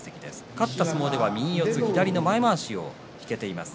勝った相撲は右四つ左の前まわしを引けています。